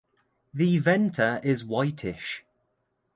The venter is whitish.